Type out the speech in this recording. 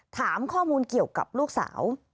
ถามข้อมูลเกี่ยวกับลูกสาว